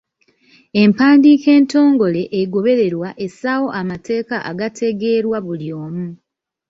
Empandiika entongole egobererwa essaawo amateeka agategeerwa buli omu.